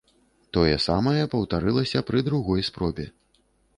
Тое самае паўтарылася пры другой спробе.